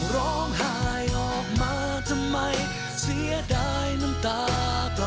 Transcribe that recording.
ร้องไห้ออกมาทำไมเสียดายน้ำตากลับ